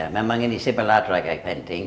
memang ini simpulatrak yang penting